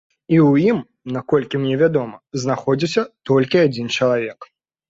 І ў ім, наколькі мне вядома, знаходзіўся толькі адзін чалавек.